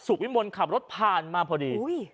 สูบวิมวลคับรถผ่านมาพอดี